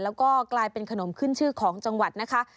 แล้วก็กลายเป็นขนมขึ้นชื่อของจังหวัดนะคะ